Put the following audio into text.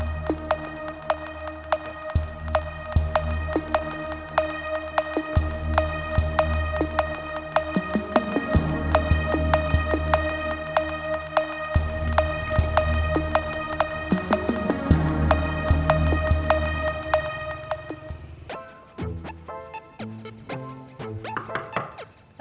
masalahnya aku nggak tahu